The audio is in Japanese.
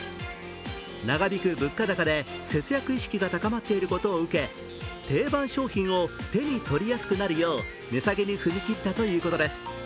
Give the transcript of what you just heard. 長引く物価高で節約意識が高まっていることを受け、定番商品を手に取りやすくなるよう値下げに踏み切ったということです。